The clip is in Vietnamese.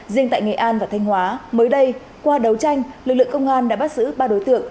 riêng tại nghệ an và thanh hóa mới đây qua đấu tranh lực lượng công an đã bắt giữ ba đối tượng